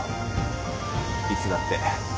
いつだって。